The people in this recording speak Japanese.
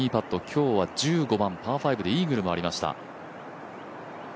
今日は１５番、パー５でイーグルもありました。